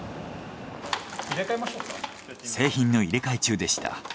製品の入れ替え中でした。